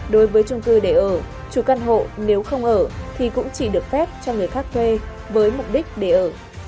đối với trung cư để ở chủ căn hộ nếu không ở thì cũng chỉ được phép cho người khác thuê với mục đích để ở